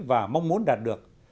và mong muốn đạt được